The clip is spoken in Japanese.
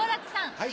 はい。